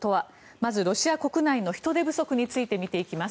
まず、ロシア国内の人手不足について見ていきます。